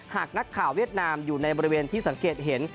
หากนักข่าวเวียดนามอยู่ในบริเวณที่สังเกตเห็น